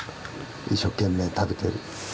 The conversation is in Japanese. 一生懸命食べてる。